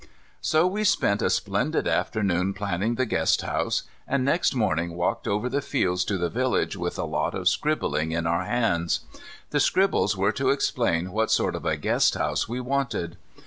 So we spent a splendid afternoon planning the guest house, and next morning walked over the fields to the village with a lot of scribblings in our hands. The scribbles were to explain what sort of a guest house we wanted.